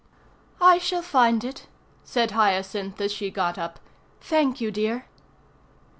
"I shall find it," said Hyacinth, as she got up. "Thank you, dear."